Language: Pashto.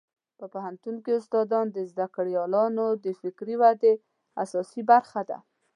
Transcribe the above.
په پوهنتون کې استادان د زده کړیالانو د فکري ودې اساسي برخه ده.